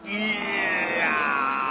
いや。